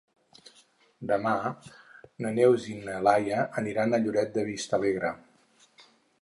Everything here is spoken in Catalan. Demà na Neus i na Laia aniran a Lloret de Vistalegre.